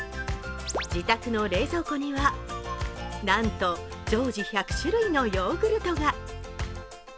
自宅の冷蔵庫にはなんと常時１００種類のヨーグルトが。